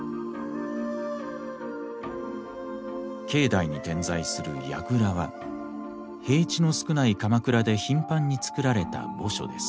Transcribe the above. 境内に点在するやぐらは平地の少ない鎌倉で頻繁に造られた墓所です。